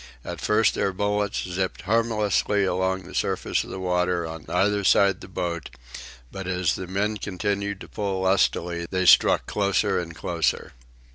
At first their bullets zipped harmlessly along the surface of the water on either side the boat; but, as the men continued to pull lustily, they struck closer and closer.